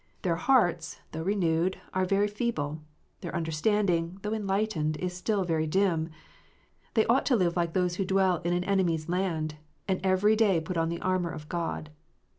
Their hearts, though renewed, are very feeble ; their understanding, though enlightened, is still very dim. They ought to live like those who dwell in an enemy s land, and every day to put on the armour of God.